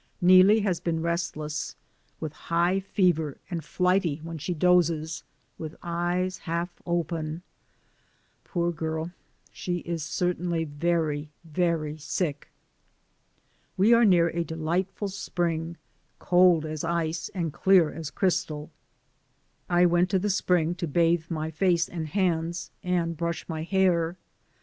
Neelie has been restless with high fever and flighty when she dozes; with eyes half open, poor girl she is certainly very, very sick. We are near a delightful spring, cold as ice, and clear as crystal. I went to the spring to bathe my face and hands, and brush my hair.